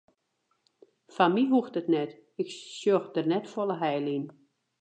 Foar my hoecht it net, ik sjoch der net folle heil yn.